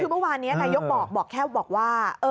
คือเมื่อวานนี้นายกบอกแค่บอกว่า